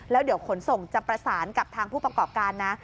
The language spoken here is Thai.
แล้วเดี๋ยวขนส่งจะประสานกับทางผู้ประกอบการนะ